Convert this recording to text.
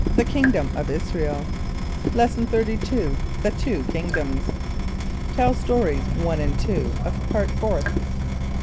THE KINGDOM OF ISRAEL. Lesson XXXII. The Two Kingdoms. (Tell Stories 1 and 2 of Part Fourth.)